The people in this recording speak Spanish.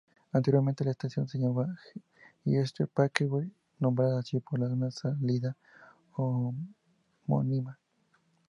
Anteriormente la estación se llamaba Eastern Parkway, nombrada así por una salida homónima.